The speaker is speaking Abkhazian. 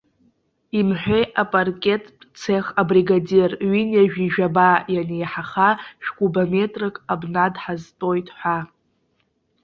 Имҳәеи апаркеттә цех абригадир, ҩынҩажәижәаба, ианеиҳаха шәкубаметрак абна дҳазтәоит ҳәа.